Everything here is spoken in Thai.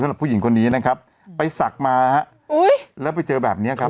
สำหรับผู้หญิงคนนี้นะครับไปสักมานะฮะแล้วไปเจอแบบเนี้ยครับ